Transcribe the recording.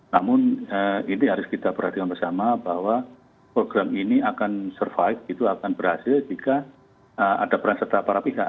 namun ini harus kita perhatikan bersama bahwa program ini akan survive itu akan berhasil jika ada peran serta para pihak